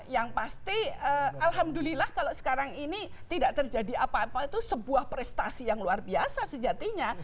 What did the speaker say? yang pasti alhamdulillah kalau sekarang ini tidak terjadi apa apa itu sebuah prestasi yang luar biasa sejatinya